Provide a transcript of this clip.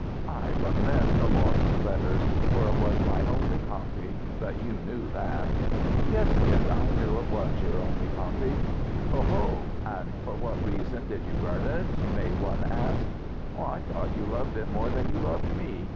"I lament the loss to letters, for it was my only copy. But you knew that." "Yes, Kit, I knew it was your only copy." "Oho! and for what reason did you burn it, may one ask?" "I thought you loved it more than you loved me.